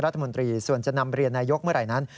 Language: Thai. รัฐมนตรีส่วนจะนำเรียนนายกเมื่อไหร่นั้น